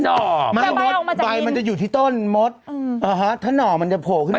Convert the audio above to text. ห่อไม่มดใบมันจะอยู่ที่ต้นมดถ้าหน่อมันจะโผล่ขึ้นมา